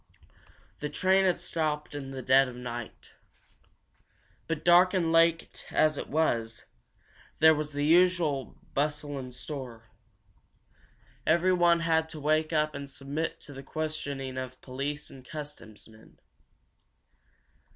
This train had stopped in the dead of night. But, dark and late as it was, there was the usual bustle and stir. Everyone had to wake up and submit to the questioning of police and customs men.